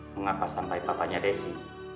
mengapa sampai papanya desi